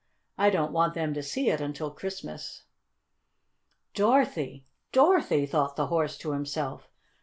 I don't want them to see it until Christmas." "Dorothy! Dorothy!" thought the Horse to himself.